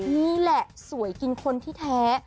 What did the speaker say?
นี่แหละสวยกินคนที่แท้